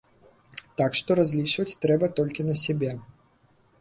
Так што разлічваць трэба толькі на сябе.